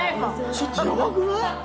ちょっとやばくない？